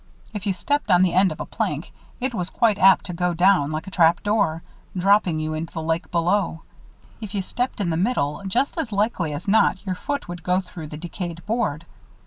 If you stepped on the end of a plank, it was quite apt to go down like a trap door, dropping you into the lake below. If you stepped in the middle, just as likely as not your foot would go through the decayed board.